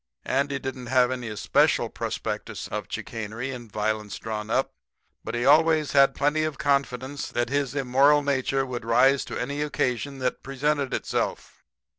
Andy didn't have any especial prospectus of chicanery and violence drawn up, but he always had plenty of confidence that his immoral nature would rise to any occasion that presented itself.